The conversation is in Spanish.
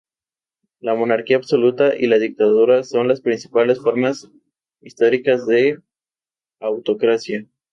La monarquía absoluta y la dictadura son las principales formas históricas de autocracia.